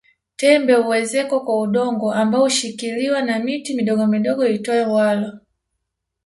Tembe huezekwa kwa udongo ambao hushikiliwa na miti midogomidogo iitwayo walo